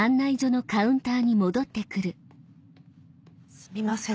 すみません。